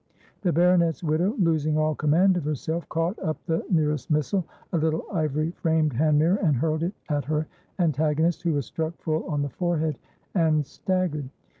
The baronet's widow, losing all command of herself, caught up the nearest missilea little ivory framed hand mirror and hurled it at her antagonist, who was struck full on the forehead and staggered.